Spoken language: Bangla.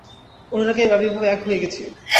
অনুরাগের আবির্ভাবে এক হয়ে গেছি।